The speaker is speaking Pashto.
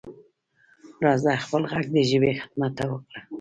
راځه خپل غږ د ژبې خدمت ته ورکړو.